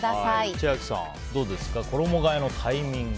千秋さん、どうですか衣替えのタイミング。